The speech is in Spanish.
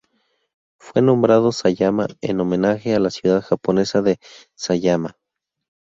Fue nombrado Sayama en homenaje a la ciudad japonesa de Sayama.